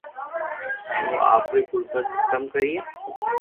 ھين اپو ري غربت ختم ڪرئي